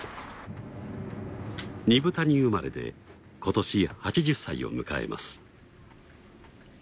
二風谷生まれで今年８０歳を迎えます。